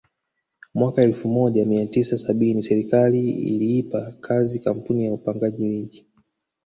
Mwaka elfu moja mia tisa sabini serikali iliipa kazi kampuni ya upangaji miji